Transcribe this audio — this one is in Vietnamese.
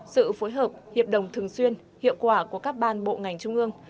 sự phối hợp hiệp đồng thường xuyên hiệu quả của các ban bộ ngành trung ương